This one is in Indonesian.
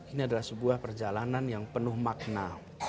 ini adalah sebuah perjalanan yang penuh makna